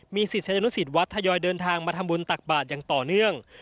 ศิษยานุสิตวัดทยอยเดินทางมาทำบุญตักบาทอย่างต่อเนื่อง